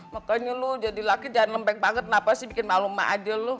makanya lo jadi laki jangan lembek banget kenapa sih bikin malu emak aja lo